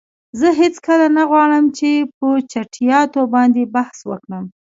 زه هیڅکله نه غواړم چې په چټییاتو باندی بحث وکړم.